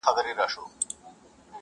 د یارانو مو یو یو دادی کمېږي،